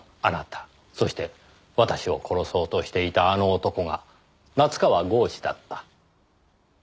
そして私を殺そうとしていた「あの男」が夏河郷士だった。